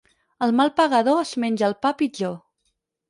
El mal pagador es menja el pa pitjor.